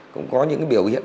cũng có những biểu hiện